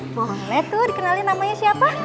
boleh tuh dikenalin namanya siapa